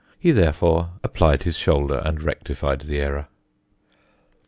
He therefore applied his shoulder and rectified the error.